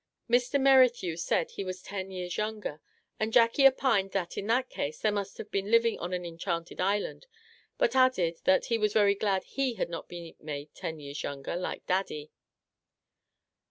Mr. Merrithew said that he was ten years younger, and Jackie opined that, in that case, they must have been living on an enchanted island, — but added, that he was very glad he had not been made ten years younger, like Daddy